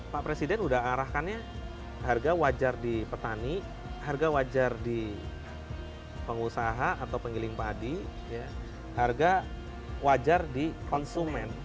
pak presiden sudah arahkannya harga wajar di petani harga wajar di pengusaha atau penggiling padi harga wajar di konsumen